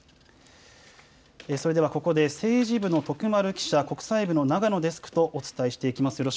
それではここで政治部の徳丸記者、国際部のながのデスクとお伝えしていきます。